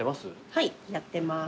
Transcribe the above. はいやってます。